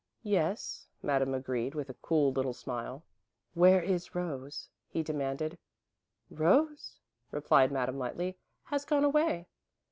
"Yes," Madame agreed, with a cool little smile. "Where is Rose?" he demanded. "Rose," replied Madame, lightly, "has gone away."